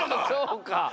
そうか。